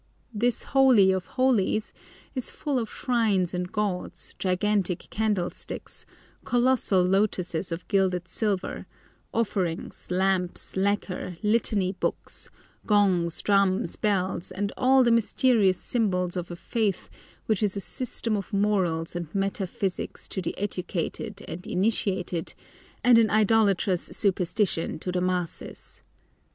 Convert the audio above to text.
This holy of holies is full of shrines and gods, gigantic candlesticks, colossal lotuses of gilded silver, offerings, lamps, lacquer, litany books, gongs, drums, bells, and all the mysterious symbols of a faith which is a system of morals and metaphysics to the educated and initiated, and an idolatrous superstition to the masses.